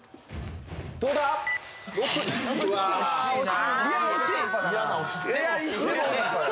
惜しいな。